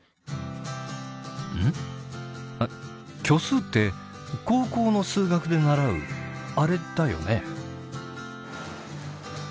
「虚数」って高校の数学で習うあれだよね？